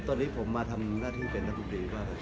ตอนนี้ผมมาทำหน้าที่เป็นแล้วทุกวันดีกว่า